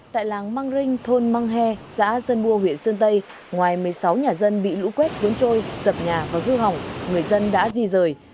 tại làng mang rinh thôn mang he xã sơn mua huyện sơn tây ngoài một mươi sáu nhà dân bị lũ quét vốn trôi sập nhà và hư hỏng người dân đã di rời